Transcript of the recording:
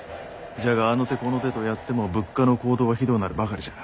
じゃがあの手この手とやっても物価の高騰はひどうなるばかりじゃ。